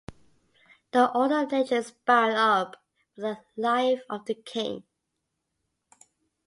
The order of nature is bound up with the life of the king.